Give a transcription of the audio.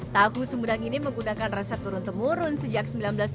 tahu sumedang ini menggunakan rasa turun temurun sejak seribu sembilan ratus tujuh puluh satu